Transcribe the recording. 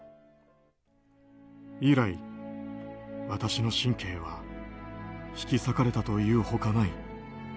以来、私の神経は引き裂かれたというほかない。